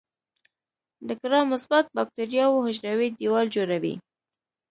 د ګرام مثبت باکتریاوو حجروي دیوال جوړوي.